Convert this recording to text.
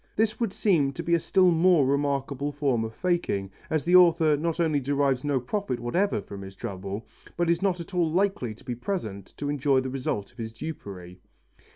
This would seem to be a still more remarkable form of faking, as the author not only derives no profit whatever from his trouble, but is not at all likely to be present to enjoy the result of his dupery.